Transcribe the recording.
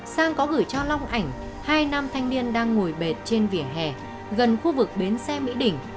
sang có gửi cho long ảnh hai nam thanh niên đang ngồi bệt trên vỉa hè gần khu vực bến xe mỹ đỉnh